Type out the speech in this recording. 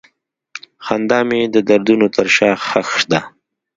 خندا مې د دردونو تر شا ښخ ده.